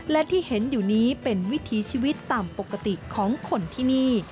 และที่เห็นอยู่นี้เป็นวิถีชีวิตตามปกติของคนที่นี่